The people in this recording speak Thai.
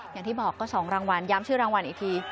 อย่างที่บอกก็๒รางวัลย้ำชื่อรางวัลอีกที